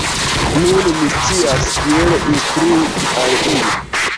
Nun mi scias kiel instrui al ili!